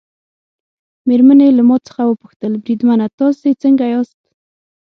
مېرمنې یې له ما څخه وپوښتل: بریدمنه تاسي څنګه یاست؟